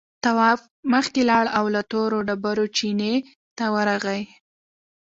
تواب مخکې لاړ او له تورو ډبرو چينې ته ورغی.